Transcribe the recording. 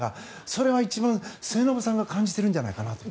それは一番、末延さんが感じているんじゃないかなと。